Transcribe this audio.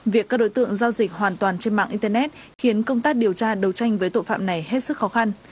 việc các đối tượng giao dịch hoàn toàn trên mạng internet khiến công tác điều tra đấu tranh với tội phạm này hết sức khó khăn